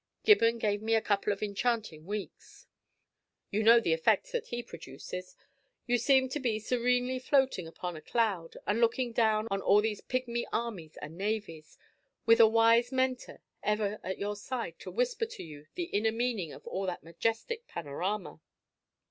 Gibbon gave me a couple of enchanting weeks. You know the effect that he produces. You seem to be serenely floating upon a cloud, and looking down on all these pigmy armies and navies, with a wise Mentor ever at your side to whisper to you the inner meaning of all that majestic panorama.